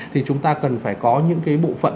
thì chúng ta cần phải có những cái bộ phận